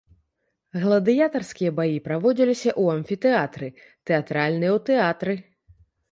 Гладыятарскія баі праводзіліся ў амфітэатры, тэатральныя ў тэатры.